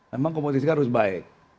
memang kompetisi harus baik